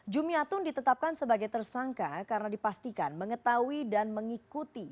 jumiatun ditetapkan sebagai tersangka karena dipastikan mengetahui dan mengikuti